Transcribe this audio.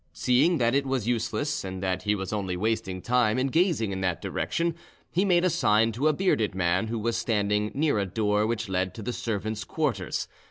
Seeing that it was useless and that he was only wasting time in gazing in that direction, he made a sign to a bearded man who was standing near a door which led to the servants' quarters.